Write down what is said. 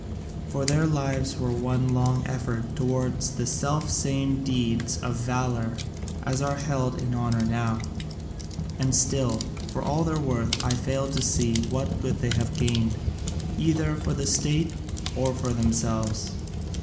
For their lives were one long effort towards the self same deeds of valour as are held in honour now; and still, for all their worth, I fail to see what good they gained either for the state or for themselves.